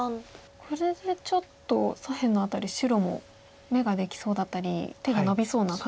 これでちょっと左辺の辺り白も眼ができそうだったり手がのびそうな感じも。